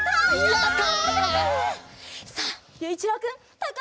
やった！